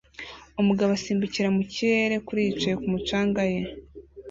Umugabo asimbukira mu kirere kuri yicaye kumu canga ye